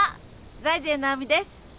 財前直見です。